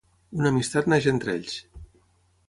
Una amistat neix entre ells.